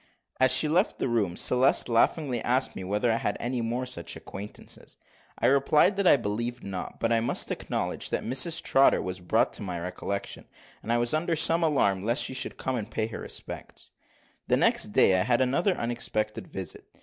As she left the room, Celeste laughingly asked me whether I had any more such acquaintances. I replied, that I believed not; but I must acknowledge that Mrs Trotter was brought to my recollection, and I was under some alarm lest she should also come and pay me her respects. The next day I had another unexpected visit.